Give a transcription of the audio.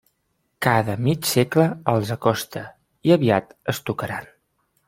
Cada mig segle els acosta, i aviat es tocaran.